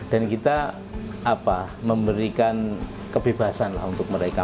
dan kita apa memberikan kebebasan lah untuk mereka